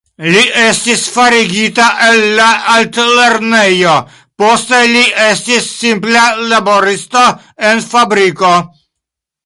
Li estis forigita el la altlernejo, poste li estis simpla laboristo en fabriko.